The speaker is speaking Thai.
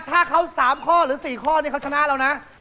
ถ้าเขา๓ข้อหรือ๔ข้อนี่เขาชนะเรานะ